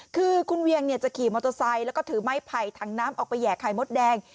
คือคุณเวียงจะขี่มอเตอร์ไซค์แล้วก็ถือไม้ไผ่ถังน้ำออกไปแห่ไข่มดแดง